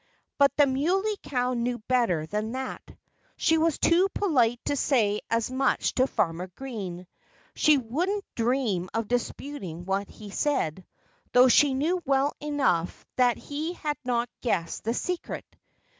But the Muley Cow knew better than that. She was too polite to say as much to Farmer Green. She wouldn't dream of disputing what he said, though she knew well enough that he had not guessed the secret.